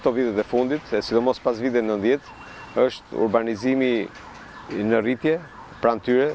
dan juga kemungkinan besar penyebabnya adalah urbanisasi dan perubahan iklim